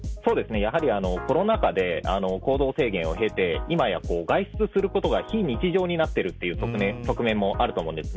やはりコロナ禍で行動制限を経て今や、外出することが非日常になっている側面もあると思うんです。